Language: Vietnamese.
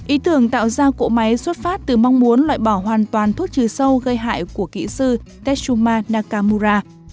ý tưởng tạo ra cỗ máy xuất phát từ mong muốn loại bỏ hoàn toàn thuốc trừ sâu gây hại của kỹ sư tetsuma nakamura